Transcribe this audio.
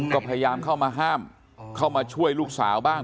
ก็พยายามเข้ามาห้ามเข้ามาช่วยลูกสาวบ้าง